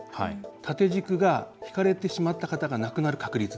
縦軸がひかれてしまった方が亡くなる確率です。